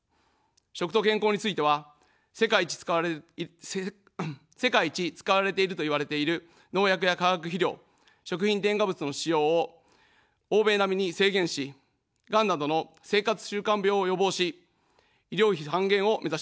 食と健康については、世界一使われているといわれている農薬や化学肥料、食品添加物の使用を欧米並みに制限し、がんなどの生活習慣病を予防し、医療費半減を目指します。